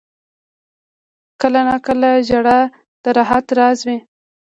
• کله ناکله ژړا د راحت راز وي.